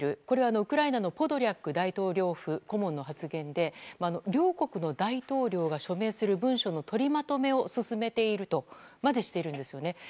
これは、ウクライナのポドリャク大統領府顧問の発言で両国の大統領が署名する文書のとりまとめを進めているとまでしているんですよね。